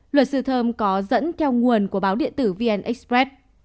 luật sư thơm có dẫn theo nguồn của báo điện tử vn express